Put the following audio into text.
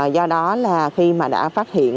do đó là khi mà đã phát hiện